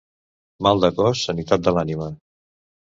Mal de cos, sanitat de l'ànima.